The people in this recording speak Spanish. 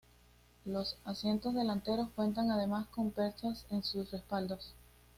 Los asientos delanteros cuentan además con perchas en sus respaldos.